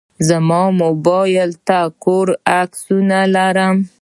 زما موبایل ته کورنۍ عکسونه لرم.